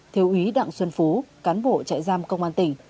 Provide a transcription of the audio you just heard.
theo ý đặng xuân phú cán bộ trại giam công an tỉnh